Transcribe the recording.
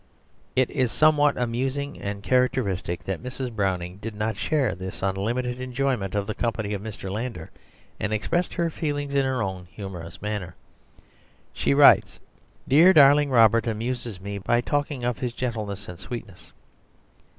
It is somewhat amusing and characteristic that Mrs. Browning did not share this unlimited enjoyment of the company of Mr. Landor, and expressed her feelings in her own humorous manner. She writes, "Dear, darling Robert amuses me by talking of his gentleness and sweetness.